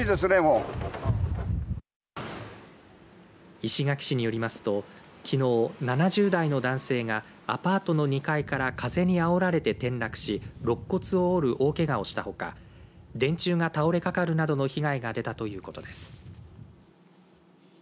石垣市によりますときのう、７０代の男性がアパートの２階から風にあおられて転落し肋骨を折る大けがをしたほか電柱が倒れかかるなどの被害が出たということです。